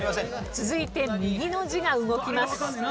続いて右の字が動きます。